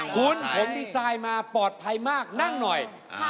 คุณผมดีไซน์มาปลอดภัยมากนั่งหน่อย